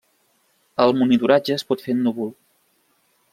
El monitoratge es pot fer en núvol.